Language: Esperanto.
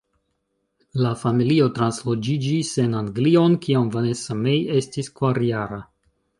La familio transloĝiĝis en Anglion, kiam Vanessa-Mae estis kvarjara.